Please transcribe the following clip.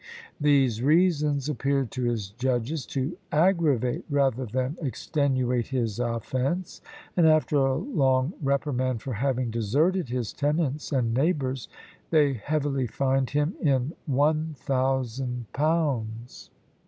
These reasons appeared to his judges to aggravate rather than extenuate his offence; and after a long reprimand for having deserted his tenants and neighbours, they heavily fined him in one thousand pounds.